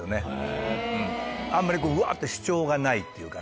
あんまりこううわって主張がないっていうかね。